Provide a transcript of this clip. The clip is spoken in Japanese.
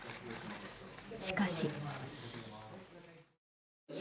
しかし。